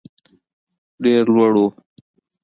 ډېر لوړ وو.